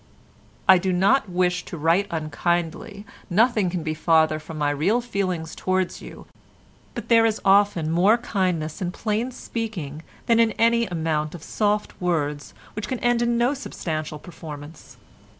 "I do not wish to write unkindly, nothing can be farther from my real feelings towards you, but there is often more kindness in plain speaking than in any amount of soft words which can end in no substantial performance.